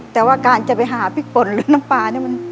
แต่ว่าการจะไปหาพริกป่นหรือน้ำปลานี่มัน